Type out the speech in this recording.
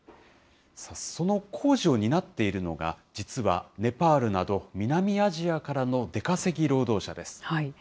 その工事を担っているのが、実はネパールなど、南アジアからの出稼ぎ労働者です。